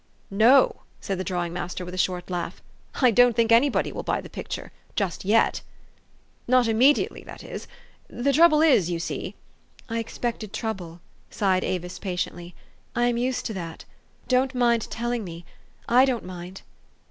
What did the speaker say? "" No," said the drawing master with a short laugh. "I don't think anybody will buy the picture just yet. Not immediately, that is. The trouble is, you see "'' I expected trouble, '' sighed Avis patiently. '' I am used to that. Don't mind telling me. / don't mind."